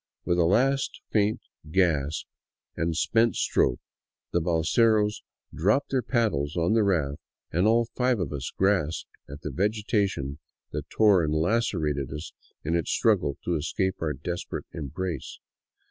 With a last faint gasp and a spent stroke, the balseros dropped their paddles on the raft, and all five of us grasped at the vegetation that tore and lacerated us in its struggle to escape our desperate embrace.